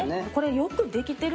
よくできてる。